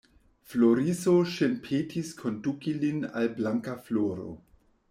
Floriso ŝin petis konduki lin al Blankafloro.